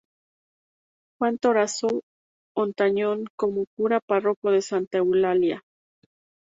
Juan Toranzo Ontañón como cura párroco de Santa Eulalia.